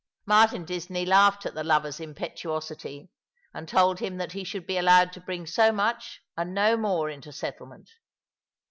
Martin Disney laughed at the lover's impetuosity — and told him that he should be allowed to bring so much and no more into settlement.